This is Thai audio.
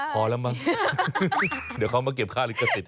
พอแล้วมั้งเดี๋ยวเขามาเก็บค่าลิขสิท